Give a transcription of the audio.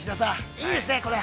いいですね、これ。